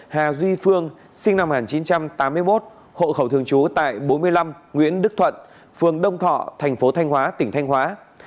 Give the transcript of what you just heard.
hà duy phương sinh năm một nghìn chín trăm tám mươi một hộ khẩu thường trú tại bốn mươi năm nguyễn đức thuận phường đông thọ thành phố thanh hóa tỉnh thanh hóa